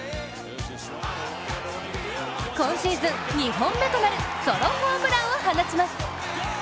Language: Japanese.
今シーズン２本目となるソロホームランを放ちます。